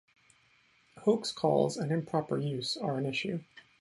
Hoax calls and improper use are an issue.